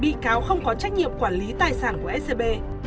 bị cáo không có trách nhiệm quản lý tài sản của scb